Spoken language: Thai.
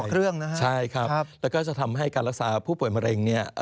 เครื่องนะฮะใช่ครับแล้วก็จะทำให้การรักษาผู้ป่วยมะเร็งเนี่ย